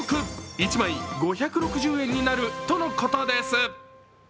１枚５６０円になるとのことです。